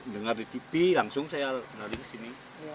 dengar di tv langsung saya lari ke sini